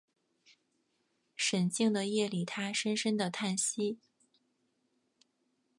沈静的夜里他深深的叹息